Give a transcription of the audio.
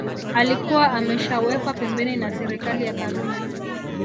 alikuwa ameshawekwa pembeni na serikali ya karume